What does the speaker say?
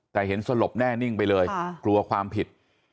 แต่เห็นสลบแน่นิ่งไปเลยกลัวความผิด